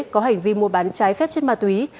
có hành vi mua bán trái phép chất ma túy